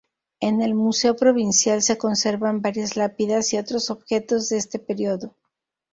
En el Museo Provincial se conservan varias lápidas y otros objetos de este periodo.